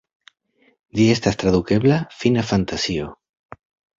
Ĝi estas tradukebla "Fina Fantazio".